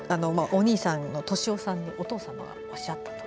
お兄さんの俊夫さんにお父様がおっしゃったと。